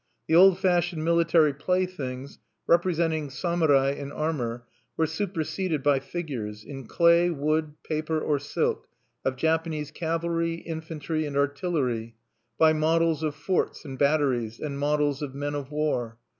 The old fashioned military playthings, representing samurai in armor, were superseded by figures in clay, wood, paper, or silk of Japanese cavalry, infantry, and artillery; by models of forts and batteries; and models of men of war.